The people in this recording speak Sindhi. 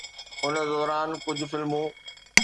ان دوران ڪجهه فلمون